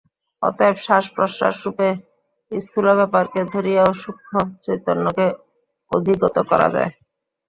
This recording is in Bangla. অতএব শ্বাস-প্রশ্বাসরূপে স্থূল ব্যাপারকে ধরিয়াও সূক্ষ্ম চৈতন্যকে অধিগত করা যায়।